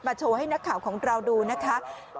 โชว์ให้นักข่าวของเราดูนะคะ